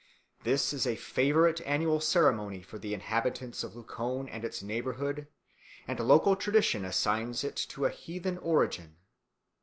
This is a favourite annual ceremony for the inhabitants of Luchon and its neighbourhood, and local tradition assigns it to a heathen origin."